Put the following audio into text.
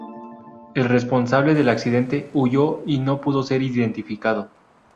El responsable del accidente huyó y no pudo ser identificado.